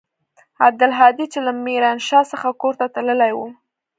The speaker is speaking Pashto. عبدالهادي چې له ميرانشاه څخه کور ته تللى و.